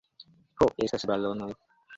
Ho estas balonoj